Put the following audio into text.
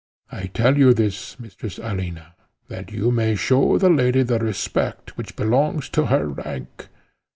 I tell you this, Mistress Alina, that you may show the lady the respect which belongs to her rank.